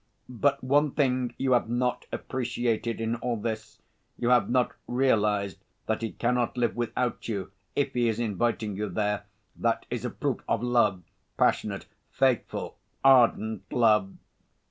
"But one thing you have not appreciated in all this, you have not realised that he cannot live without you if he is inviting you there; that is a proof of love, passionate, faithful, ardent love....